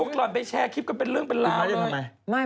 พวกเราไปแชร์คลิปกันเป็นเรื่องเป็นราวเลย